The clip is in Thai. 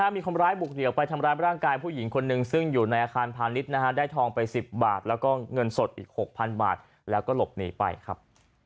มีคนร้ายบุกเดี่ยวไปทำร้ายร่างกายผู้หญิงคนหนึ่งซึ่งอยู่ในอาคารพาณิชย์ได้ทองไป๑๐บาทแล้วก็เงินสดอีก๖๐๐๐บาทแล้วก็หลบหนีไปครับ